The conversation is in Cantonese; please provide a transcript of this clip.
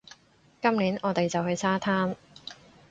今年，我哋就去沙灘